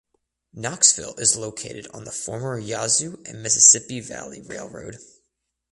Knoxville is located on the former Yazoo and Mississippi Valley Railroad.